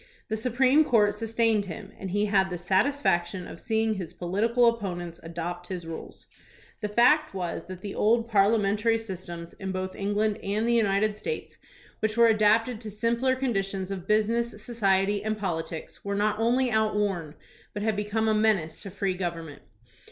The Supreme Court sustained him, and he had the satisfaction of seeing his political opponents adopt his rules. The fact was that the old parliamentary systems THOMAS BRACKETT REED 189 in both England and the United States, which were adapted to simpler conditions of business, society, and politics, were not only outworn, but had become a menace to free government.